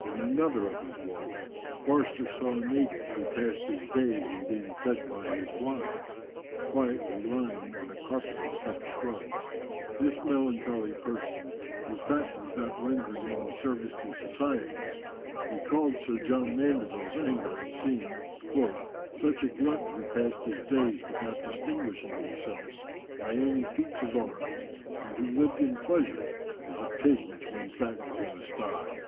In another of his walks Forster saw a native, who passed his days in being fed by his wives, quietly lying upon a carpet of thick shrubs. This melancholy person, who fattened without rendering any service to society, recalled Sir John Mandeville's anger at seeing "such a glutton who passed his days without distinguishing himself by any feats of arms, and who lived in pleasure, as a pig which one fattens in a sty."